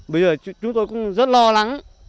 bây giờ chúng tôi cũng rất lo lắng